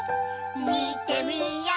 みてみよう！